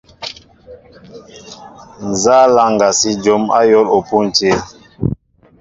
Nza laŋga si jǒm ayȏl pȗntil ?